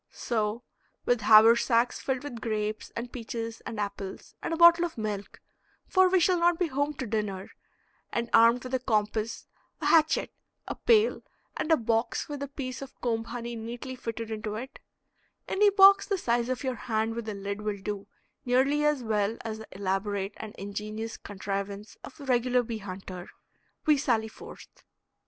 So, with haversacks filled with grapes and peaches and apples and a bottle of milk, for we shall not be home to dinner, and armed with a compass, a hatchet, a pail, and a box with a piece of comb honey neatly fitted into it any box the size of your hand with a lid will do nearly as well as the elaborate and ingenious contrivance of the regular bee hunter we sally forth.